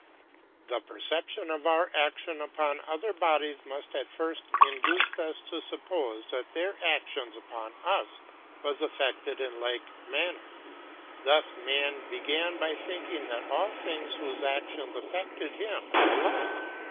The perception of our action upon other bodies must have first induced us to suppose that their action upon us was effected in like manner. Thus man began by thinking that all things whose action affected him were alive.